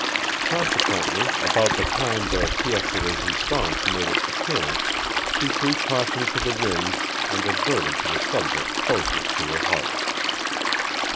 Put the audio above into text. Consequently, about the time the piece de resistance made its appearance, she threw caution to the winds and adverted to the subject closest to her heart.